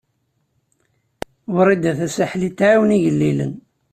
Wrida Tasaḥlit tɛawen igellilen.